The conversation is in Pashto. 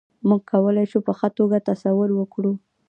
موږ کولای شو په ښه توګه تصور وکړو.